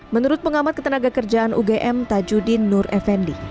menurut pengamat ketenaga kerjaan ugm tajudin nur effendi